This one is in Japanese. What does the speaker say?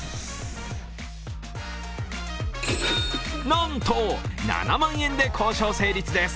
なんと７万円で交渉成立です。